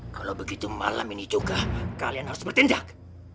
kalau begitu malam ini juga kalian harus bertindak